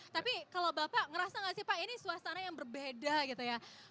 tapi kalau bapak ngerasa gak sih pak ini suasana yang berbeda gitu ya